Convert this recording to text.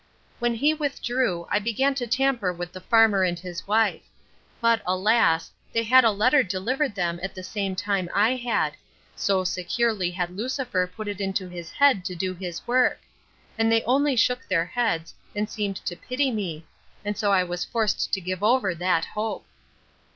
When he withdrew, I began to tamper with the farmer and his wife. But, alas! they had had a letter delivered them at the same time I had; so securely had Lucifer put it into his head to do his work; and they only shook their heads, and seemed to pity me; and so I was forced to give over that hope.